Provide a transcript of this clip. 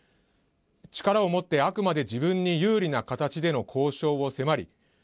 力を持ってあくまで自分に有利な形での交渉を迫り